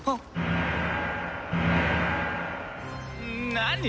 何？